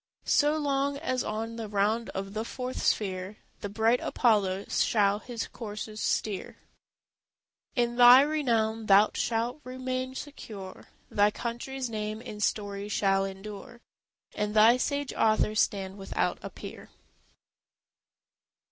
So long as on the round of the fourth sphere The bright Apollo shall his coursers steer, In thy renown thou shalt remain secure, Thy country's name in story shall endure, And thy sage author stand without a peer.